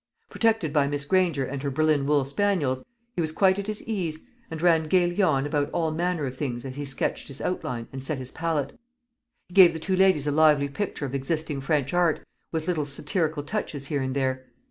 Protected by Miss Granger and her Berlin wool spaniels, he was quite at his ease, and ran gaily on about all manner of things as he sketched his outline and set his palette. He gave the two ladies a lively picture of existing French art, with little satirical touches here and there.